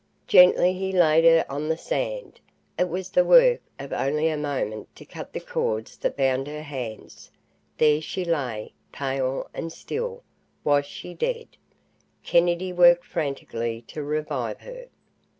Gently he laid her on the sand. It was the work of only a moment to cut the cords that bound her hands. There she lay, pale and still. Was she dead? Kennedy worked frantically to revive her.